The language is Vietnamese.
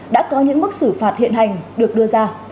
đã có những mức xử phạt hiện hành được đưa ra